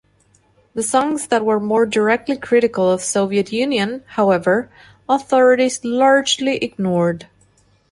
The songs that were more directly critical of Soviet Union, however, authorities largely ignored.